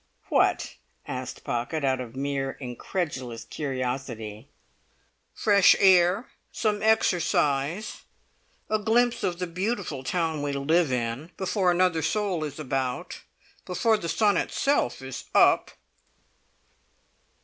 "What?" asked Pocket, out of mere incredulous curiosity. "Fresh air; some exercise; a glimpse of the beautiful town we live in, before another soul is about, before the sun itself is up!"